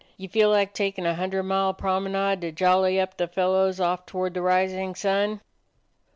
You feel like taking a little hundred mile prom enade to jolly up the fellows off toward the rising sun?"